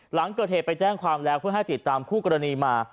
หลังเกิดเหตุไปแจ้งความแล้วเพื่อให้ติดตามคู่กรณีมา